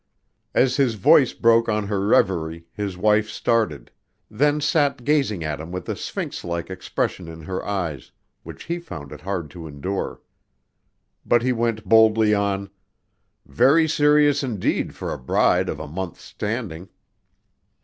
As his voice broke on her reverie, his wife started, then sat gazing at him with a sphinx like expression in her eyes, which he found it hard to endure. But he went boldly on: "Very serious indeed for a bride of a month's standing."